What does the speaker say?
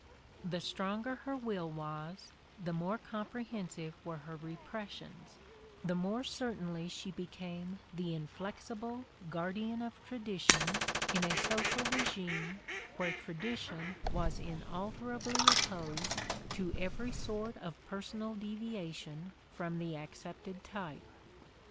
The stronger her will was, the more comprehensive were her repres sions, the more certainly she became the inflexible guardian of tradition in a social regime where tradition was inalterably opposed to every sort of personal devia tion from the accepted type.